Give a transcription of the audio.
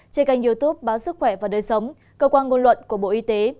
trên kênh youtube báo sức khỏe và đời sống cơ quan ngôn luận của bộ y tế